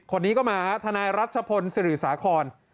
คนนี้ก็มาทนายรัชพลศิริสาคร